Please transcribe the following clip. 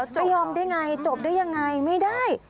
จะยอมได้ไงจบได้ยังไงไม่ได้